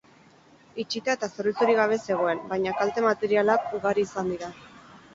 Itxita eta zerbitzurik gabe zegoen, baina kalte materialak ugari izan dira.